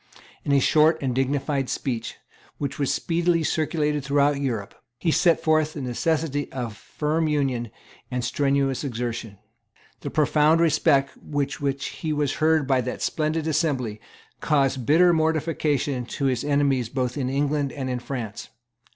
In a short and dignified speech, which was speedily circulated throughout Europe, he set forth the necessity of firm union and strenuous exertion. The profound respect with which he was heard by that splendid assembly caused bitter mortification to his enemies both in England and in France.